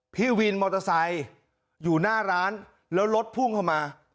พี่วินมอเตอร์ไซค์อยู่หน้าร้านแล้วรถพุ่งเข้ามา